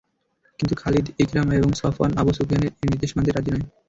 কিন্তু Khalid, Ikrima এবং Safwan Abu সুফিয়ানের এ নির্দেশ মানতে রাজি নয়।